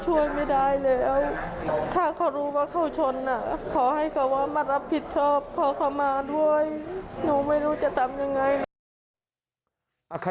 หนูไม่รู้จะทำอย่างไร